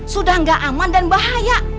sudah tidak aman dan bahaya